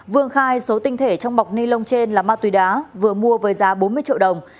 vương khai số tinh thể trong bọc ni lông trên là ma túy đá vừa mua với giá bốn mươi triệu đồng